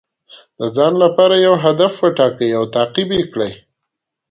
د ځان لپاره یو هدف وټاکئ او تعقیب یې کړئ.